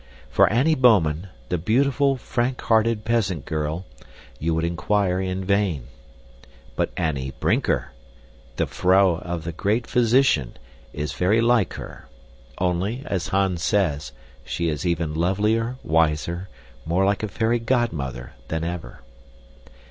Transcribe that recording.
For Annie Bouman, the beautiful, frank hearted peasant girl, you would inquire in vain; but Annie Brinker, the vrouw of the great physician, is very like her only, as Hans says, she is even lovelier, wiser, more like a fairy godmother than ever.